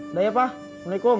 udah ya pak waalaikumsalam